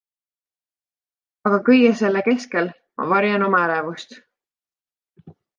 Aga kõige selle keskel ma varjan oma ärevust.